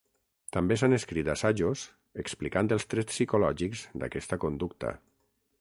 També s'han escrit assajos explicant els trets psicològics d'aquesta conducta.